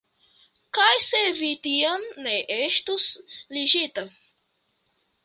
Kaj se vi tiam ne estus ligita?